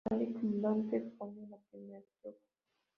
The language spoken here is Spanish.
Tal y como Dante expone en la primera estrofa.